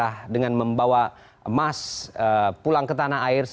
apa yang ingin disampaikan pak terakhir pak